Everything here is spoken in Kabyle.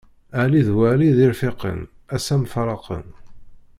Ɛli d Weɛli d irfiqen, assa mfaraqen.